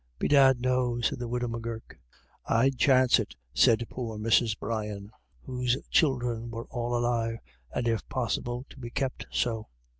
" Bedad no," said the widow M'Gurk. "I'd chance it," said poor Mrs. Brian, whose children were all alive, and if possible to be kept so.